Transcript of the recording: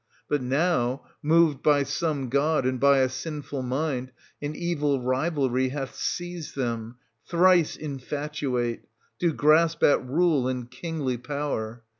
But now, moved by some god and by a sinful mind, an evil rivalry hath seized them, thrice infatuate !— to grasp at rule and kingly power.